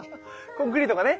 コンクリートがね。